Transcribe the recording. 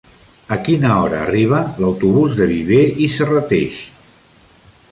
A quina hora arriba l'autobús de Viver i Serrateix?